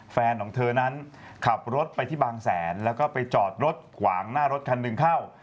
แฟนของเธอนั้นขับรถไปที่บางแสนแล้วก็ไปจอดรถขวางหน้ารถคันหนึ่งเข้า